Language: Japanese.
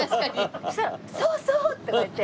そしたら「そうそう」とか言って。